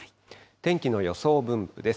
天気の予想分布です。